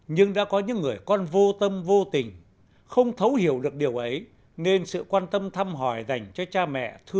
nhưng đã có những người con vô tâm vô tình không thấu hiểu được điều ấy nên sự quan tâm thăm hỏi dành cho cha mẹ thưa thớt chiếu lệ